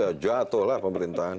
paling tidak harapan kita kita berhenti